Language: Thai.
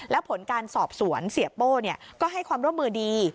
แล้วผลการสอบสวนเสียโป้ก็ให้ความร่วมมือดี